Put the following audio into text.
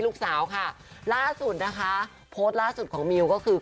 ราดสุดโพสต์ราดสุดของมิวก็คือ